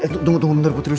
tunggu tunggu bentar putri